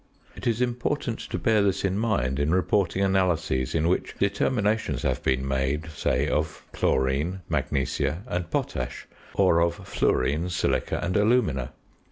It is important to bear this in mind in reporting analyses in which determinations have been made, say, of chlorine, magnesia, and potash, or of fluorine, silica, and alumina.